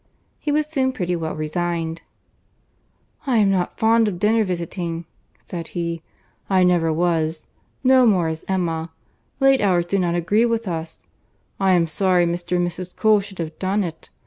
He was soon pretty well resigned. "I am not fond of dinner visiting," said he—"I never was. No more is Emma. Late hours do not agree with us. I am sorry Mr. and Mrs. Cole should have done it.